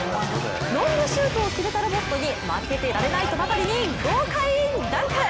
ロングシュートを決めたロボットに負けてられないとばかりに豪快ダンク。